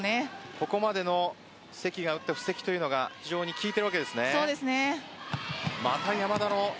ここまでの関が打った布石というのが非常に効いているわけですね。